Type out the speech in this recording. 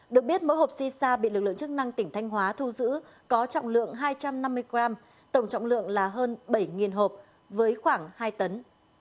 được biết mỗi hộp xì xa bị lực lượng chức năng tỉnh thanh hóa thu giữ có trọng lượng hai trăm năm mươi gram tổng trọng lượng là hơn bảy hộp với khoảng hai tấn